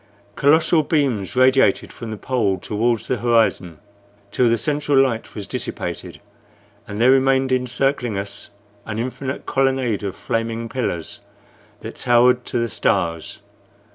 Colossal beams radiated from the pole toward the horizon till the central light was dissipated, and there remained encircling us an infinite colonnade of flaming pillars that towered to the stars.